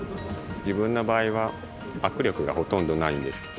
自分の場合は握力がほとんどないんですけど。